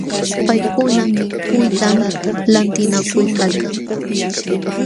Paykuna mikuytam lantinakuykalkan.